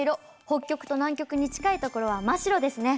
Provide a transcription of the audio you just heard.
北極と南極に近いところは真っ白ですね。